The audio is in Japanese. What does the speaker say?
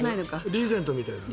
リーゼントみたいだよね。